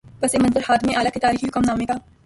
پس منظر خادم اعلی کے تاریخی حکم نامے کا۔